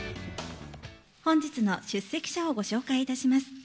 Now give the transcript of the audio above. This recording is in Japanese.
本日の出席者をご紹介いたします。